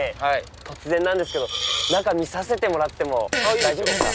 突然なんですけど中見せてもらって大丈夫ですか？